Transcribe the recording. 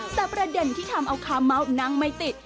แต่ประเด็นที่ทำเอาคาเมาส์นั่งไม่ติด